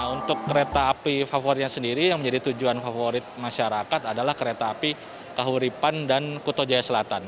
untuk kereta api favoritnya sendiri yang menjadi tujuan favorit masyarakat adalah kereta api kahuripan dan kuto jaya selatan